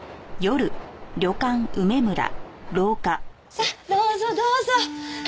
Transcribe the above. さあどうぞどうぞ。